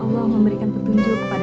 allah memberikan petunjuk kepada mas arief